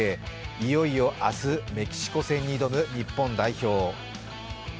いよいよ明日、メキシコ戦に挑む日本代表。